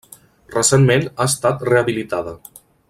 Recentment ha estat rehabilitada.